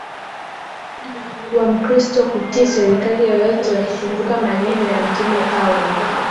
wa Mkristo kutii serikali yoyote wakikumbuka maneno ya Mtume Paulo